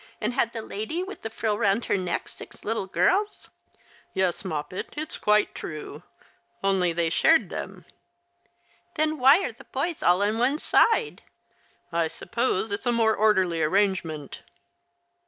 and had the lady with the frill round her neck six little girls ?" "Yes, Moppet, it's quite true, only they shared them." " Then why are the boys all on one side ?"" I suppose it's a more orderly arrangement."